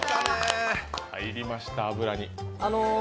入りました、油に。